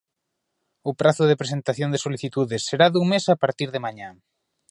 O prazo de presentación de solicitudes será dun mes a partir de mañá.